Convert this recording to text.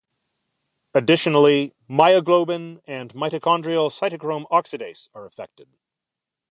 Additionally, myoglobin and mitochondrial cytochrome oxidase are affected.